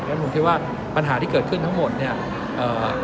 แล้วผมคิดว่าปัญหาที่เกิดขึ้นทั้งหมดเนี่ยเอ่อ